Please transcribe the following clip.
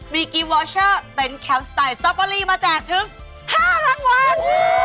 บีกิวอาช่าเต็นแคลป์สไตล์ซอปปอรีมาแจกถึง๕๐๐๐วัน